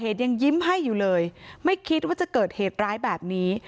ยังยิ้มให้อยู่เลยไม่คิดว่าจะเกิดเหตุร้ายแบบนี้